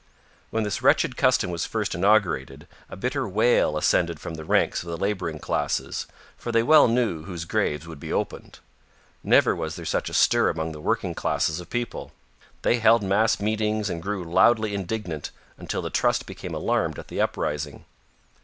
When this wretched custom was first inaugurated a bitter wail ascended from the ranks of the laboring classes, for they well knew whose graves would be opened. Never was there such a stir among the working classes of people. They held mass meetings and grew loudly indignant until the Trust became alarmed at the uprising.